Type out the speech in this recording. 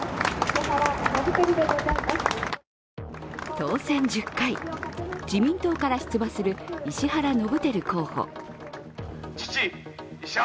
当選１０回、自民党から出馬する石原伸晃候補。